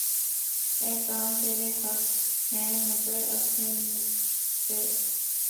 احکام ترے حق ہیں مگر اپنے مفسر